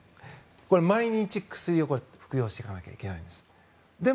毎日薬を服用していかなきゃいけないんです。